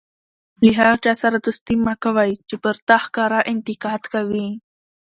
له هغه چا سره دوستي مه کوئ! چي پر تا ښکاره انتقاد کوي.